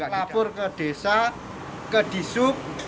lapor ke desa ke disub